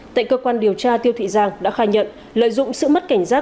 tại cơ quan điều tra tiêu thị giang đã khai nhận lợi dụng sự mất cảnh giác